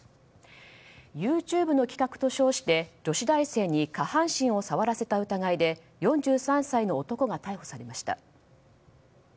ＹｏｕＴｕｂｅの企画と称して女子大生に下半身を触らせた疑いで４３歳の男が逮捕されました。